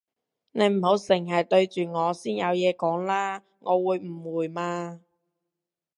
你唔好剩係對住我先有嘢講啦，我會誤會嘛